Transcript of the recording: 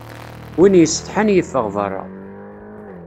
Win yessetḥan yeffeɣ berra.